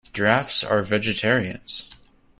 Giraffes are vegetarians.